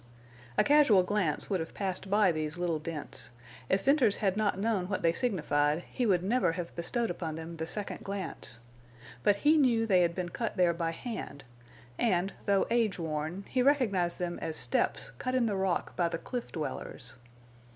A casual glance would have passed by these little dents; if Venters had not known what they signified he would never have bestowed upon them the second glance. But he knew they had been cut there by hand, and, though age worn, he recognized them as steps cut in the rock by the cliff dwellers.